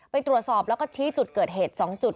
ไปตรวจสอบแล้วก็ชี้จุดเกิดเหตุ๒จุด